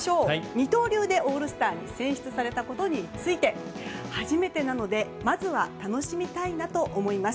二刀流でオールスターに選出されたことについて初めてなのでまずは楽しみたいなと思います。